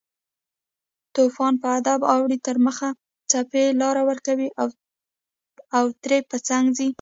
توپان په ادب اړوي تر مخه، څپې لار ورکوي او ترې په څنګ ځي